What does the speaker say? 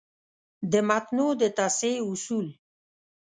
د متونو د تصحیح اصول: